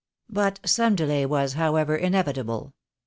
But some delay was, however, inevit able.